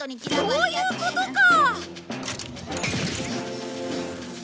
そういうことか！